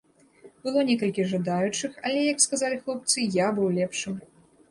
Было некалькі жадаючых, але, як сказалі хлопцы, я быў лепшым.